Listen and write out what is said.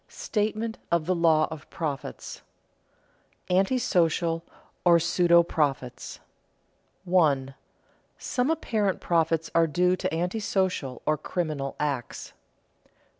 STATEMENT OF THE LAW OF PROFITS [Sidenote: Antisocial or pseudo profits] 1. _Some apparent profits are due to antisocial or criminal acts.